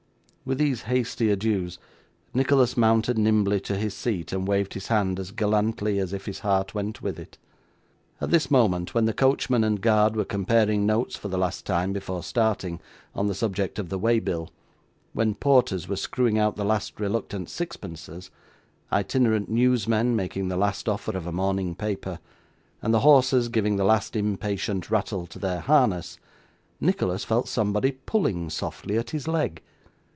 With these hasty adieux, Nicholas mounted nimbly to his seat, and waved his hand as gallantly as if his heart went with it. At this moment, when the coachman and guard were comparing notes for the last time before starting, on the subject of the way bill; when porters were screwing out the last reluctant sixpences, itinerant newsmen making the last offer of a morning paper, and the horses giving the last impatient rattle to their harness; Nicholas felt somebody pulling softly at his leg.